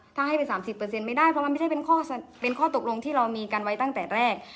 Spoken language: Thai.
ถ้าให้เป็นสามสิบเปอร์เซ็นต์ไม่ได้เพราะมันไม่ใช่เป็นข้อเป็นข้อตกลงที่เรามีกันไว้ตั้งแต่แรก